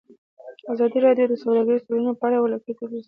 ازادي راډیو د سوداګریز تړونونه په اړه د مینه والو لیکونه لوستي.